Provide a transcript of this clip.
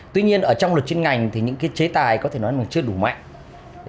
tuy nhiên ở trong luật chuyên ngành thì những cái chế tài có thể nói là chưa đủ mạnh